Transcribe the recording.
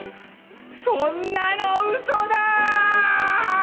そんなの嘘だーっ！！